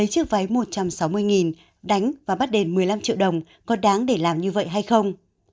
bảy mươi chiếc váy một trăm sáu mươi đánh và bắt đền một mươi năm triệu đồng có đáng để làm như vậy hay không